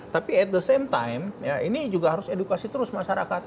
tapi at the same time ini juga harus edukasi terus masyarakat